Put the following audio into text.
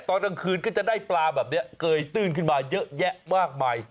ตอนกลางคืนก็จะได้ปลาแบบนี้เกยตื้นขึ้นมาเยอะแยะมากมาย